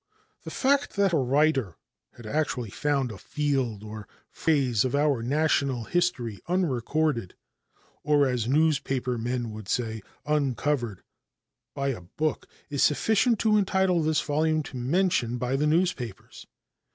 The fact that a writer has actually found a field or phase of our national history unrecorded, or as newspaper men would say, uncovered, by a book is sufficient to entitle this volume to mention by the newspapers.